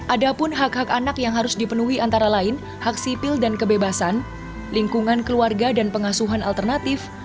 ada pun hak hak anak yang harus dipenuhi antara lain hak sipil dan kebebasan lingkungan keluarga dan pengasuhan alternatif